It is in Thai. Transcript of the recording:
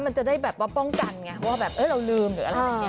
มันจะได้แบบว่าป้องกันไงว่าแบบเราลืมหรืออะไรอย่างนี้